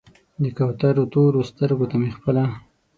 د کوترو تورو سترګو ته مې خپله